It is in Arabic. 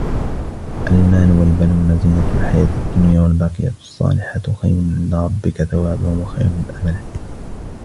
الْمَالُ وَالْبَنُونَ زِينَةُ الْحَيَاةِ الدُّنْيَا وَالْبَاقِيَاتُ الصَّالِحَاتُ خَيْرٌ عِنْدَ رَبِّكَ ثَوَابًا وَخَيْرٌ أَمَلًا